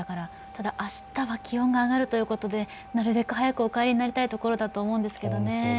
ただ、明日は気温が上がるということでなるべく早くお帰りになりたいところだと思いますね。